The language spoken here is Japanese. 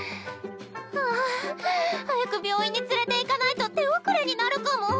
ああっ早く病院に連れていかないと手遅れになるかも。